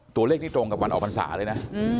ตัวเลขที่ตรงกับวันออกพรรษาเลยนะ